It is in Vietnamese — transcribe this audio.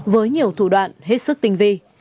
với nhiều thủ đoạn hết sức tinh vi